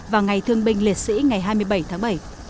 và ngày thương binh liệt sĩ ngày hai mươi bảy tháng bảy